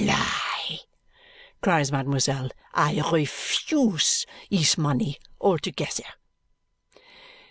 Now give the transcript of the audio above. "Lie!" cries mademoiselle. "I ref use his money all togezzer."